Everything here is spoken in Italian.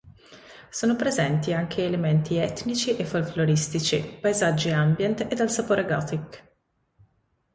Sono presenti anche elementi etnici e folkloristici, passaggi ambient e dal sapore gothic.